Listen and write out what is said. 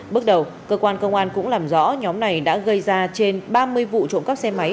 bước đầu cơ quan công an cũng làm rõ nhóm này đã gây ra trên ba mươi vụ trộm cắp xe máy